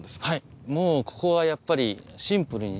はいもうここはやっぱり。